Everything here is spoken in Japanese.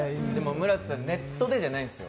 村瀬さん、ネットじゃないですよ！